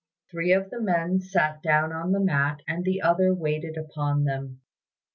Three of the men sat down on the mat and the other two waited upon them.